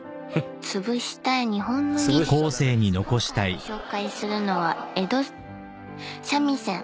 ［今回ご紹介するのは江戸三味線］